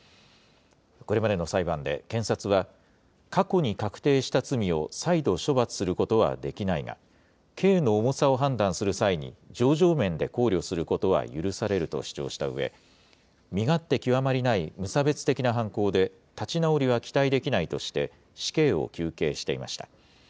これまでの裁判で検察は、過去に確定した罪を再度処罰することはできないが、刑の重さを判断する際に情状面で考慮することは許されると主張したうえ、身勝手極まりない無差別的な犯行で、立ち直りは期待できないとして、死刑を求刑していました。